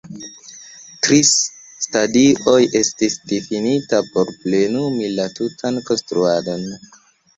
Tri stadioj estis difinitaj por plenumi la tutan konstruadon.